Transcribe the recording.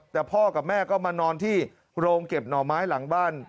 แต่พ่อกับแม่ก็มานอนที่โรงเก็บหน่อไม้หลังบ้าน